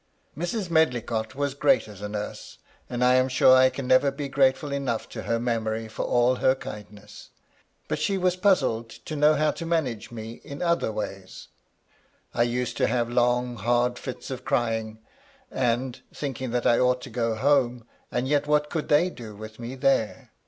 Mrs. Medlicott was great as a nurse, and I am sure I can never be grateful enough to her memory for all her kindness. Bat she was puzzled to know how to manage me in other ways. I used to have long, hard fits of crying ; and, thinking that I ought to go home — and yet what could they do with me there?